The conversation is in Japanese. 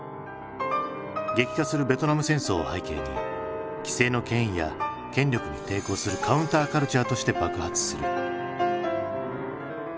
激化するベトナム戦争を背景に既成の権威や権力に抵抗するカウンターカルチャーとして爆発する。